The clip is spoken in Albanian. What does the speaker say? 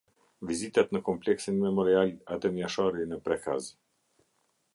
Vizitat në Kompleksin Memorial “Adem Jashari” në Prekaz.